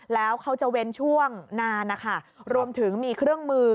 แล้วเขาจะเว้นช่วงนานนะคะรวมถึงมีเครื่องมือ